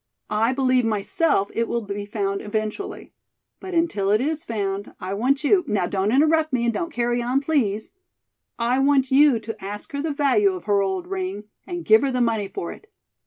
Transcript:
I believe myself it will be found eventually. But until it is found, I want you now don't interrupt me and don't carry on, please I want you to ask her the value of her old ring and give her the money for it.